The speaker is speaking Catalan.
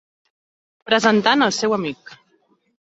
Presentant el seu amic!